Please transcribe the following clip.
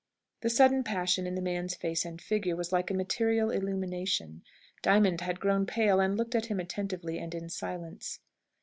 The sudden passion in the man's face and figure was like a material illumination. Diamond had grown pale, and looked at him attentively, and in silence.